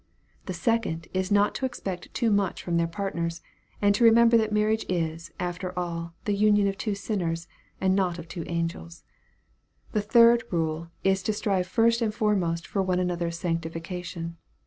The second is not to expect too much from their partners, and to remember that mar riage is, after all, the union of two sinners, and not of two angels. The third rule is to strive first and foremost for one another's sanctification.